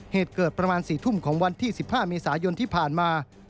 เหตุเกิดประมาณ๔ทุ่มของวันที่๑๕เมษายนที่ผ่านมา